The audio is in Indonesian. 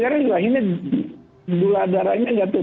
akhirnya gula darahnya